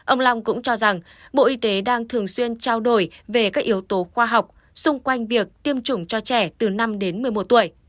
ông long cũng cho rằng bộ y tế đang thường xuyên trao đổi về các yếu tố khoa học xung quanh việc tiêm chủng cho trẻ từ năm đến một mươi một tuổi